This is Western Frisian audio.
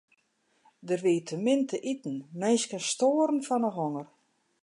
Der wie te min te iten, minsken stoaren fan 'e honger.